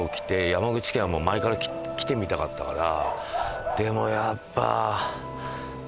山口県は前から来てみたかったから。